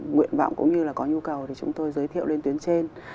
nguyện vọng cũng như là có nhu cầu thì chúng tôi giới thiệu lên tuyến trên